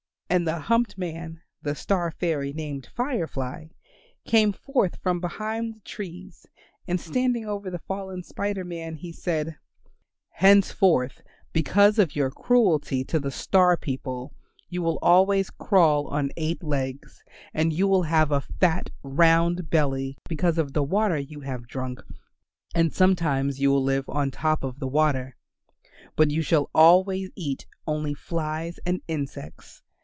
And the humped man the star fairy named Fire fly came forth from behind the trees and standing over the fallen Spider Man he said, "Henceforth because of your cruelty to the star people you will always crawl on eight legs, and you will have a fat round belly because of the water you have drunk; and sometimes you will live on top of the water. But you shall always eat only flies and insects.